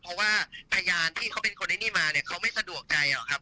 เพราะว่าพยานที่เขาเป็นคนไอ้นี่มาเนี่ยเขาไม่สะดวกใจหรอกครับ